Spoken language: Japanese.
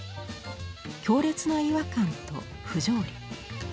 強烈な違和感と不条理。